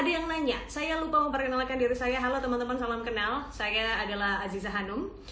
jadi yang nanya saya lupa memperkenalkan diri saya halo teman teman salam kenal saya adalah aziza hanum